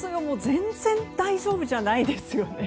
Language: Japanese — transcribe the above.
全然大丈夫じゃないですよね。